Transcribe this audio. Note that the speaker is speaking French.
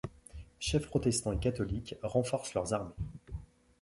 Chefs protestants et catholiques renforcent leurs armées.